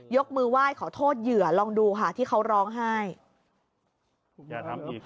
ยกมือไหว้ขอโทษเหยื่อลองดูค่ะที่เขาร้องไห้